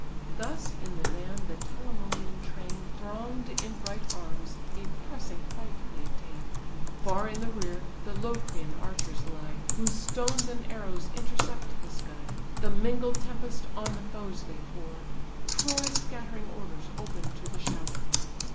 Thus in the van the Telamonian train, Throng'd in bright arms, a pressing fight maintain: Far in the rear the Locrian archers lie, Whose stones and arrows intercept the sky, The mingled tempest on the foes they pour; Troy's scattering orders open to the shower.